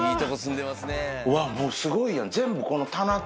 うわもうすごいやん。